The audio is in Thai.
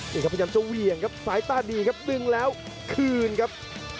พยายามจะเวียงครับสายต้านดีครับดึงแล้วคืนครับ